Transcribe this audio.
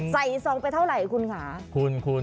ซองไปเท่าไหร่คุณค่ะ